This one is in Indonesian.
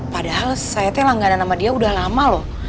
padahal saya tuh langganan sama dia udah lama loh